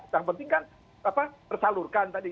yang penting kan tersalurkan tadi